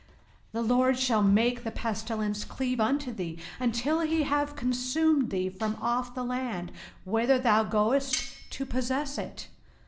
05:028:021 The LORD shall make the pestilence cleave unto thee, until he have consumed thee from off the land, whither thou goest to possess it.